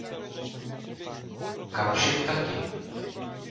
Kam šeptati?